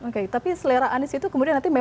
oke tapi selera anies itu kemudian nanti